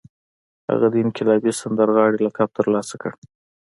هغه د انقلابي سندرغاړي لقب ترلاسه کړ